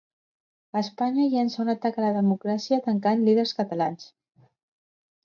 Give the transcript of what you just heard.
Espanya llença un atac a la democràcia tancant líders catalans